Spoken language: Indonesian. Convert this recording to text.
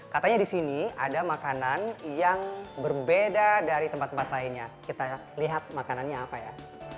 katanya di sini ada makanan yang berbeda dari tempat tempat lainnya kita lihat makanannya apa ya